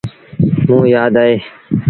موݩ يآد اهي۔